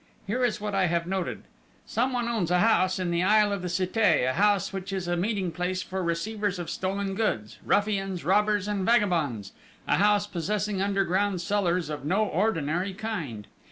Here is what I have noted: "Someone owns a house in the Isle of the Cité; a house which is a meeting place for receivers of stolen goods, ruffians, robbers, and vagabonds: a house possessing underground cellars of no ordinary kind.